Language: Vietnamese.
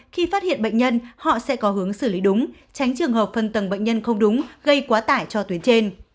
khi phát hiện bệnh nhân họ sẽ có hướng xử lý đúng tránh trường hợp phân tầng bệnh nhân không đúng gây quá tải cho tuyến trên